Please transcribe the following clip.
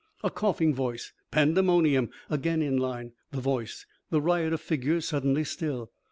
A coughing voice. Pandemonium. Again in line. The voice. The riot of figures suddenly still.